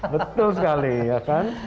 betul sekali ya kan